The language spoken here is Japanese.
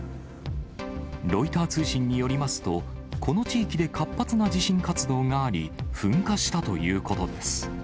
ロイター通信によりますと、この地域で活発な地震活動があり、噴火したということです。